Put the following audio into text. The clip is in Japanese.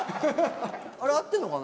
あれ、合ってるのかな？